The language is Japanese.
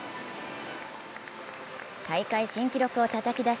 大会新記録をたたき出し